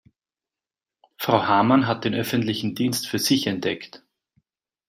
Frau Hamann hat den öffentlichen Dienst für sich entdeckt.